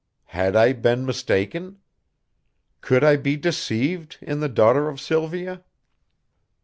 Had I been mistaken? Could I be deceived in the daughter of Sylvia?